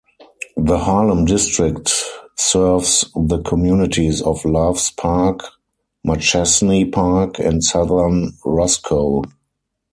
The Harlem District serves the communities of Loves Park, Machesney Park, and southern Roscoe.